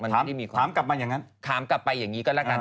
มันคอดไหมล่ะถามกลับมาอย่างนั้นถามกลับไปอย่างนี้ก็แล้วกัน